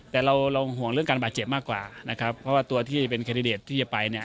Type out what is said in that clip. แต่เราเราห่วงเรื่องการบาดเจ็บมากกว่านะครับเพราะว่าตัวที่เป็นแคนดิเดตที่จะไปเนี่ย